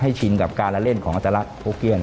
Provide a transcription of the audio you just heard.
ให้ชินกับการเล่นของอาจารย์โฮกเกี้ยน